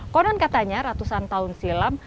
konon katanya ratusan tahun silam